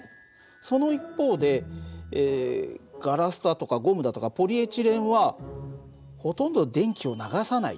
その一方でガラスだとかゴムだとかポリエチレンはほとんど電気を流さない電気抵抗率が非常に大きい。